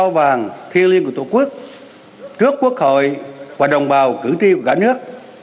với cơ đỏ sao vàng thiên liên của tổ quốc trước quốc hội và đồng bào cử tri của cả nước